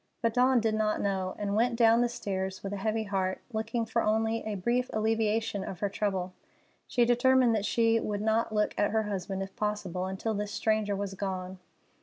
But Dawn did not know, and went down the stairs with a heavy heart, looking for only a brief alleviation of her trouble. She determined that she would not look at her husband, if possible, until this stranger was gone.